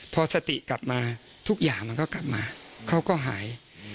พอสติกลับมาทุกอย่างมันก็กลับมาเขาก็หาย